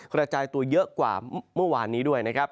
กระจายตัวเยอะกว่าเมื่อวานนี้ด้วยนะครับ